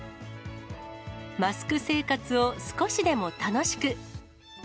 マスク生活を少しでも楽しく。